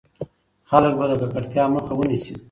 خلک به د ککړتيا مخه ونيسي.